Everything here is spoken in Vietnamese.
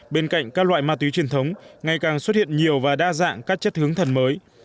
bên cạnh các loại ma túy truyền thống ngày càng xuất hiện nhiều và đa dạng các chất hướng thần mới